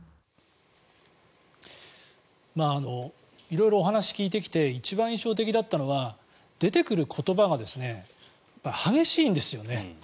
色々お話を聞いてきて一番印象的だったのは出てくる言葉が激しいんですよね。